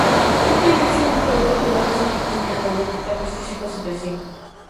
Esto inició un feudo, con ambos equipos intercambiando ataques físicos entre sí.